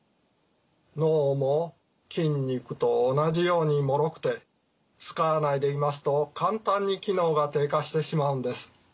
脳も筋肉と同じようにもろくて使わないでいますと簡単に機能が低下してしまうんです。